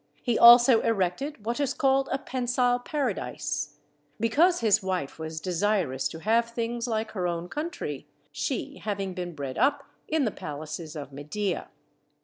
He also erected what is called a pensile paradise: because his wife was desirous to have things like her own country; she having been bred up in the palaces of Media.